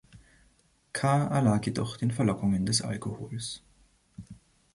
Carr erlag jedoch den Verlockungen des Alkohols.